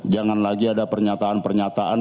jangan lagi ada pernyataan pernyataan